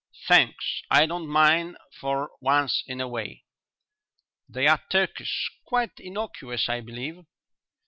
"Thanks, I don't mind for once in a way." "They're Turkish; quite innocuous, I believe."